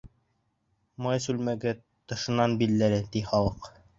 Май сүлмәге тышынан билдәле, ти халыҡ.